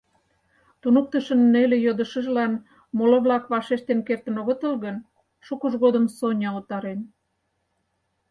Туныктышын неле йодышыжлан моло-влак вашештен кертын огытыл гын, шукыж годым Соня утарен.